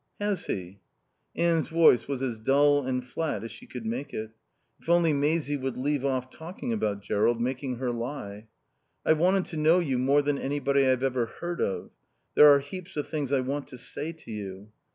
"Has he?" Anne's voice was as dull and flat as she could make it. If only Maisie would leave off talking about Jerrold, making her lie. "I've wanted to know you more than anybody I've ever heard of. There are heaps of things I want to say to you."